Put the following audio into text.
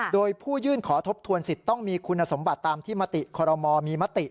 โดยผู้ยื่นขอทบทวนสิทธิ์ต้องมีคุณสมบัติตามที่มติคอรมอลมีมติ